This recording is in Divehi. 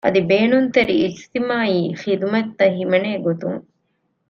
އަދި ބޭނުންތެރި އިޖްތިމާޢީ ޚިދުމަތްތައް ހިމެނޭ ގޮތުން